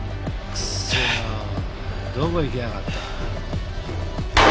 クソどこ行きやがった？